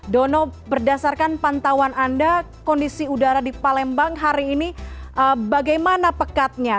dono berdasarkan pantauan anda kondisi udara di palembang hari ini bagaimana pekatnya